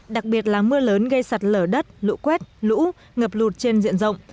đặc biệt là mưa lớn gây sạt lở đất lũ quét lũ ngợp lụt trên diện rộng